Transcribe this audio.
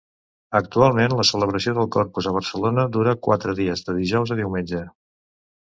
Actualment, la celebració del Corpus a Barcelona dura quatre dies de dijous a diumenge.